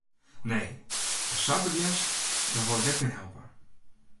Nee, ast sa begjinst, dan wol ik net mear helpe.